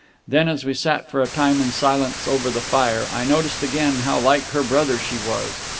Then, as we sat for a time in silence over the fire, I noticed again how like her brother she was.